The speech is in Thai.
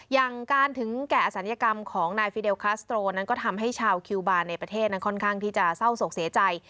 อย่างการถึงแก่อศัลยกรรมของนายฟิเดลคัสโตรนั้นก็ทำให้ชาวคิวบาร์ในประเทศนั้นค่อนข้างที่จะเศร้าศกเสียใจ